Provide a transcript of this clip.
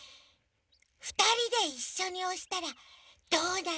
ふたりでいっしょにおしたらどうなるのかな？